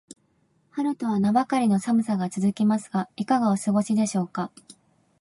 春とは名ばかりの寒さが続きますが、いかがお過ごしでしょうか。